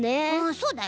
そうだよね。